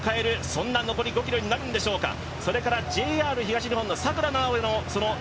時代を変えるそんな残り５ｋｍになるんでしょうか。